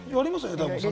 大門さん。